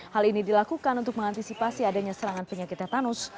hal ini dilakukan untuk mengantisipasi adanya serangan penyakit tetanus